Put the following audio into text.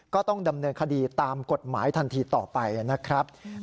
ก็ต้องดำเนินคดีตามกฎหมายทันทีต่อไปนะครับ